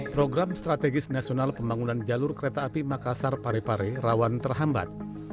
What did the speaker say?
program strategis nasional pembangunan jalur kereta api makassar parepare rawan terhambat